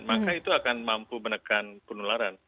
maka itu akan mampu menekan penularan